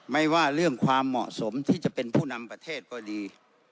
ไม่ว่าเรื่องความเหมาะสมที่จะเป็นผู้นำประเทศก็ดี